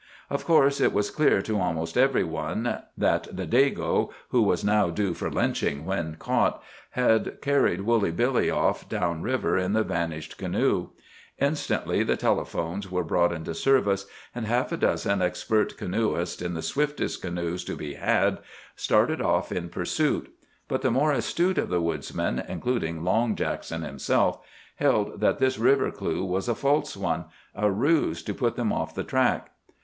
Of course, it was clear to almost every one that the "Dago"—who was now due for lynching when caught—had carried Woolly Billy off down river in the vanished canoe. Instantly the telephones were brought into service, and half a dozen expert canoeists, in the swiftest canoes to be had, started off in pursuit. But the more astute of the woods men—including Long Jackson himself—held that this river clue was a false one, a ruse to put them off the track.